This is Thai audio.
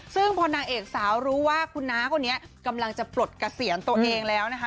ซึ่งพอนางเอกสาวรู้ว่าคุณน้าคนนี้กำลังจะปลดเกษียณตัวเองแล้วนะคะ